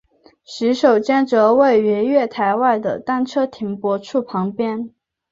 洗手间则位于月台外的单车停泊处旁边。